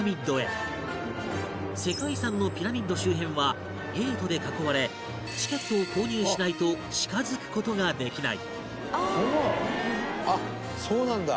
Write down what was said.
世界遺産のピラミッド周辺はゲートで囲われチケットを購入しないと近づく事ができない